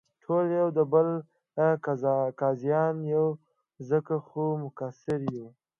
ټول یو دې بل قاضیان یو، ځکه خو مقصر یو.